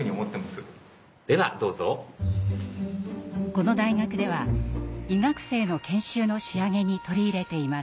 この大学では医学生の研修の仕上げに取り入れています。